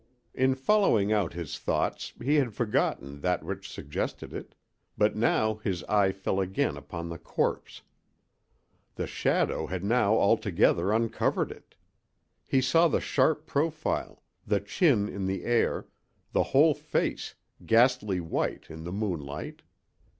In following out his thought he had forgotten that which suggested it; but now his eye fell again upon the corpse. The shadow had now altogether uncovered it. He saw the sharp profile, the chin in the air, the whole face, ghastly white in the moonlight.